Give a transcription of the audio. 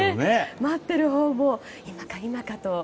待っているほうも今か今かと。